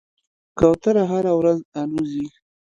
کوتره هره ورځ الوځي.